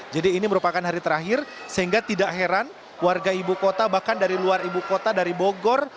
jadi ini merupakan hari terakhir sehingga tidak heran warga ibu kota bahkan dari luar ibu kota dari bogor